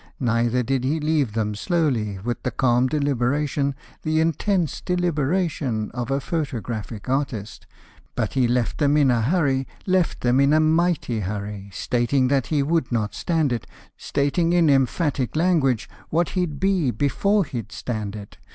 Neither did he leave them slowly, With the calm deliberation, The intense deliberation Of a photographic artist: But he left them in a hurry, Left them in a mighty hurry, Stating that he would not stand it, Stating in emphatic language What he'd be before he'd stand it.